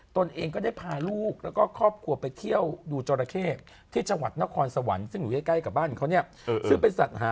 เป็นแล้วก็ได้เสียชีวิตไปนะคะ